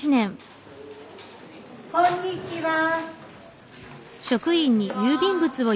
こんにちは。